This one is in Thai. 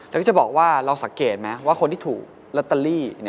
แล้วก็จะบอกว่าเราสังเกตไหมว่าคนที่ถูกลอตเตอรี่